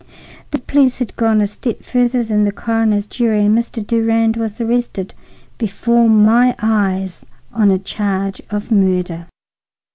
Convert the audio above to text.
The police had gone a step further than the coroner's jury, and Mr. Durand was arrested, before my eyes, on a charge of murder.